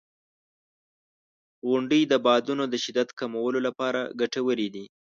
• غونډۍ د بادونو د شدت کمولو لپاره ګټورې دي.